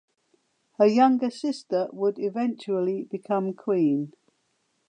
Her younger sister would eventually become Queen.